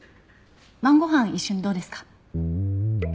晩ご飯一緒にどうですか？